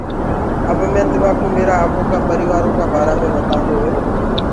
اب مي تماڪوُ ميرآ آپو ڪآ پريٚوآرو ڪآ بارآ مي ٻتاندو هونٚ۔